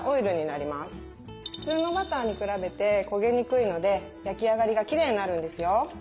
普通のバターに比べて焦げにくいので焼き上がりがきれいになるんですよ。